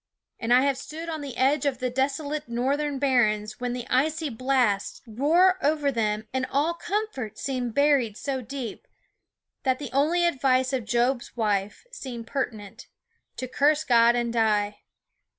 And I have stood on the edge of the desolate northern barrens when the icy blasts roared over them and all comfort seemed buried so deep that only the advice of Job's wife seemed pertinent: to "curse God and die."